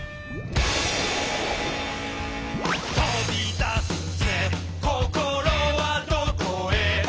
「飛び出すぜ心はどこへ」